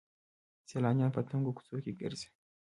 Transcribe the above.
سیلانیان په تنګو کوڅو کې ګرځي.